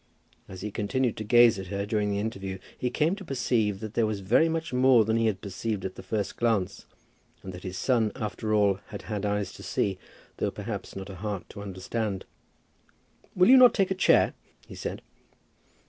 As he continued to gaze at her during the interview he came to perceive that there was very much more than he had perceived at the first glance, and that his son, after all, had had eyes to see, though perhaps not a heart to understand. "Will you not take a chair?" he said.